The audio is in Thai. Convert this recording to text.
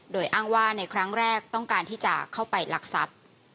โดยอ้างว่าในครั้งแรกต้องการที่จะเข้าไปลักทรัพย์